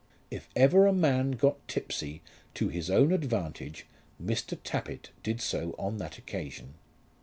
If ever a man got tipsy to his own advantage, Mr. Tappitt did so on that occasion.